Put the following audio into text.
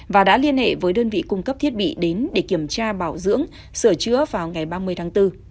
và đã liên hệ với đơn vị cung cấp thiết bị đến để kiểm tra bảo dưỡng sửa chữa vào ngày ba mươi tháng bốn